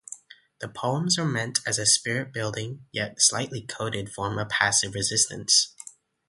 The poems were meant as a spirit-building, yet slightly coded form of passive resistance.